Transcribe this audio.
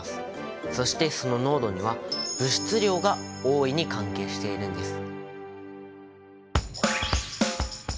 そしてその濃度には物質量が大いに関係しているんです。